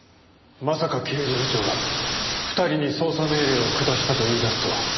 まさか刑事部長が２人に捜査命令を下したと言い出すとは。